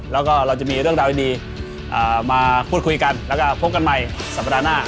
แล้วก็เราจะมีเรื่องราวดีมาพูดคุยกันแล้วก็พบกันใหม่สัปดาห์หน้า